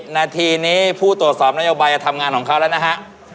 นาทีนี้ผู้ตรวจสอบนโยบายทำงานของเขาแล้วนะฮะ